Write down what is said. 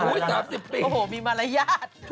โอ้โฮมีมารยาท